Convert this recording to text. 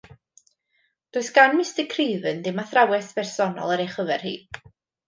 Does gan Mr. Craven ddim athrawes bersonol ar ei chyfer hi?